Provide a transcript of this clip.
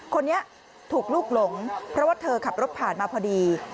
คนนี้ถูกลูกหลงเพราะว่าเธอขับรถผ่านมาพอดี